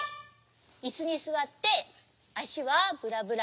いすにすわってあしはブラブラ。